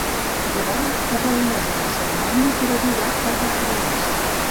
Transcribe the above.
Llavors es reuneix en la cerimònia per adorar al drac de l'est.